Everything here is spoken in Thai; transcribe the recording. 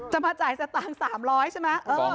มาจ่ายสตางค์๓๐๐ใช่ไหม